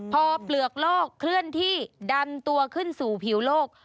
พอเปลือกโลกเคลื่อนที่ดันตัวขึ้นสู่ผิวโลก